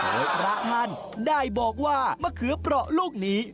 โดยพระท่านได้บอกว่ามะเขือเปราะลูกนี้